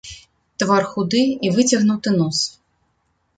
Твар худы і выцягнуты нос.